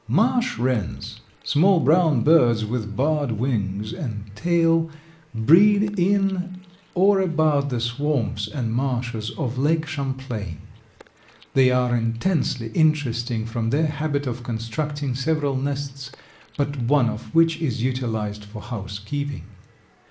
Marsh wrens, small brown birds, with barred wings and tail, breed in or about the swamps and marshes of Lake Champlain. They are intensely interesting from their habit of constructing several nests but one of which is utilized for housekeeping.